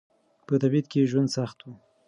په تبعيد کې ژوند سخت و.